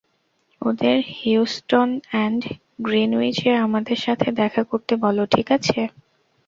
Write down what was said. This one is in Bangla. ওদের হিউস্টন অ্যান্ড গ্রিনউইচ-এ আমাদের সাথে দেখা করতে বলো, ঠিক আছে?